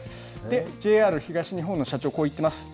ＪＲ東日本の社長、こう言ってます。